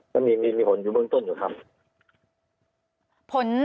ก็มีผลอยู่เบื้องต้นอยู่ครับ